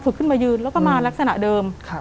ขึ้นมายืนแล้วก็มาลักษณะเดิม